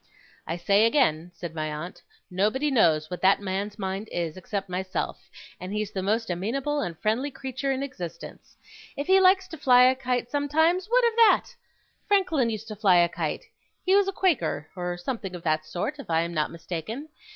'I say again,' said my aunt, 'nobody knows what that man's mind is except myself; and he's the most amenable and friendly creature in existence. If he likes to fly a kite sometimes, what of that! Franklin used to fly a kite. He was a Quaker, or something of that sort, if I am not mistaken.